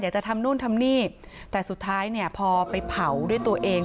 จะทำนู่นทำนี่แต่สุดท้ายเนี่ยพอไปเผาด้วยตัวเอง